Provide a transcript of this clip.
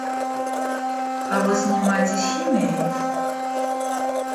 А вы занимаетесь химией?